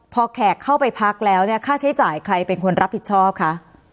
พอแขกเข้าไปพักแล้วเนี่ยค่าใช้จ่ายใครเป็นคนรับผิดชอบคะ